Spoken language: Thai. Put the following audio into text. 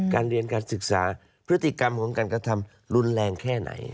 การเรียนการศึกษาพฤติกรรมของการกระทำรุนแรงแค่ไหน